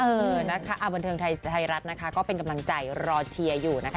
เออนะคะบันเทิงไทยรัฐนะคะก็เป็นกำลังใจรอเชียร์อยู่นะคะ